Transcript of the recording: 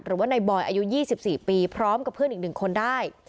หรือว่าในบอยอายุ๒๔ปีพร้อมกับเพื่อนอีก๑คนได้